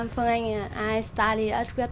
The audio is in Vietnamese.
những việc gì sẽ được thực hiện